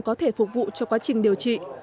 có thể phục vụ cho quá trình điều trị